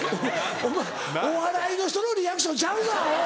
お前お笑いの人のリアクションちゃうぞアホ！